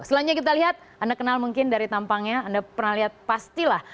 selanjutnya kita lihat anda kenal mungkin dari tampangnya anda pernah lihat pastilah